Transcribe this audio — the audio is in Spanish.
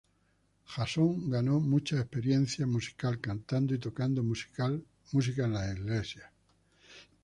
Jason ganó mucha experiencia musical cantando y tocando música en las iglesias.